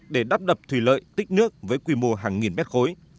để đắp đập thủy lợi tích nước với quy mô hàng nghìn mét khối